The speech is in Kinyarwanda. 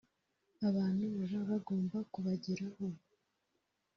abantu baba bagomba kubageraho